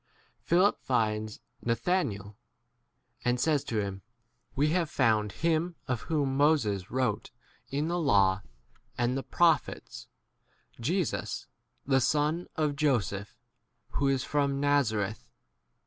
Philip finds Nathanael, and says to him, We have found him of whom Moses wrote in the law and the prophets, Jesus, [the] son of Joseph, who is from Nazareth.